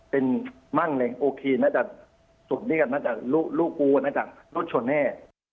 เป็นมั่งเลยโอเคน่าจะจบด้วยกันน่าจะลูกกูน่าจะรถชนแน่